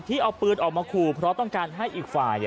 เอาปืนออกมาขู่เพราะต้องการให้อีกฝ่าย